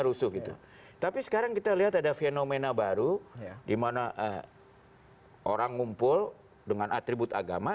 rusuh gitu tapi sekarang kita lihat ada fenomena baru dimana orang ngumpul dengan atribut agama